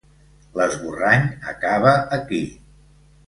L'esborrany acaba aquí.